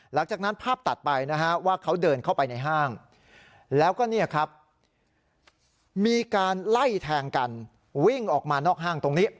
หลักจากนั้นภาพตัดไปว่าเขาเดินเข้าไปในห้างแล้วก็มีการไล่แทงกันวิ่งออกมานอกห้างตรงนี้